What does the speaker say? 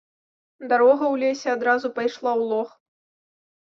Дарога ў лесе адразу пайшла ў лог.